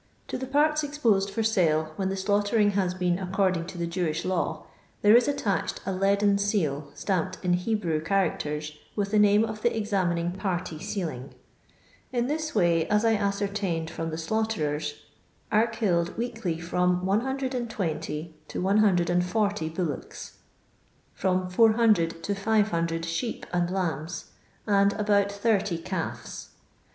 To the parts exposed for sale, when the slaughtering has been according to the Jewish law, there is attached a leaden seal, stamped in Hebrew cha racters with the name of the examiniM party sealing. In this way, as I ascertained from the slaughterers, are killed weekly from 120 to 140 bullocks, from 400 to 500 sheep and lambs, and about 30 calves.